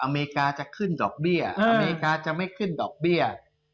อเมริกาจะขึ้นดอกเบี้ยอเมริกาจะไม่ขึ้นดอกเบี้ย